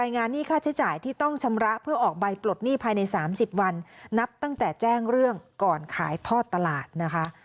นับตั้งแต่แจ้งเรื่องก่อนขายทอดตลาดนะคะ